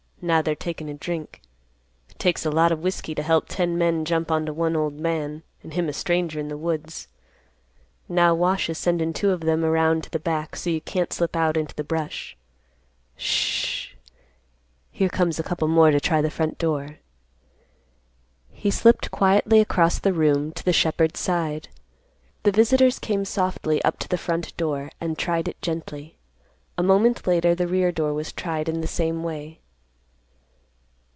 Now they're takin' a drink. It takes a lot of whiskey to help ten men jump onto one old man, and him a stranger in the Woods. Now Wash is sendin' two of them around to the back, so you can't slip out into the brush. Sh—h—h, here comes a couple more to try the front door." He slipped quietly across the room to the shepherd's side. The visitors came softly up to the front door, and tried it gently. A moment later the rear door was tried in the same way.